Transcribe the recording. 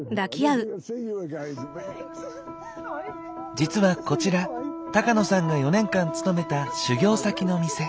実はこちら高野さんが４年間勤めた修業先の店。